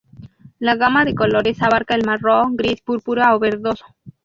La gama de colores abarca el marrón, gris, púrpura o verdoso.